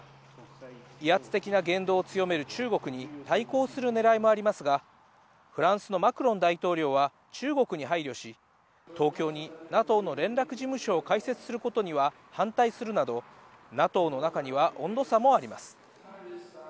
威圧的な言動を強める中国に対抗する狙いもありますが、フランスのマクロン大統領は中国に配慮し、東京にＮＡＴＯの連絡事務所を開設することには反対するなど、ＮＡＴＯの中には温度差もあります。